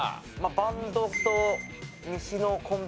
バンドと西のコンビ芸人さん。